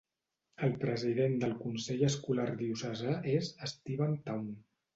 El President del Consell Escolar Diocesà és Stephen Towne.